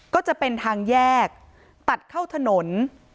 ก็จะเป็นทางแยกตัดเข้าถนน